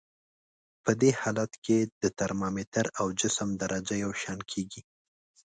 په دې حالت کې د ترمامتر او جسم درجه یو شان کیږي.